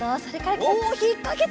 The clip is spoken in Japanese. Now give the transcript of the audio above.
おひっかけた！